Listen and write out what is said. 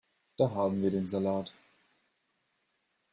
Da haben wir den Salat.